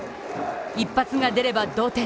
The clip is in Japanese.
一発が出れば同点。